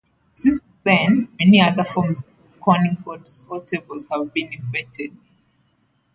Since then, many other forms of reckoning boards or tables have been invented.